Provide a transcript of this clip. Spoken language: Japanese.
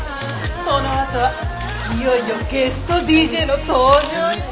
このあとはいよいよゲストＤＪの登場よ！